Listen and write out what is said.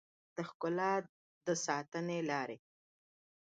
د ښکلا د ساتنې لارې